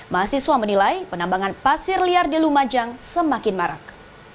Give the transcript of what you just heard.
mahasiswa menilai penambangan pasir liar di lumajang semakin marak